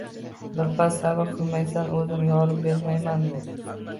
Birpas sabr qilmaysanmi, o‘zim yorib bermaymanmi?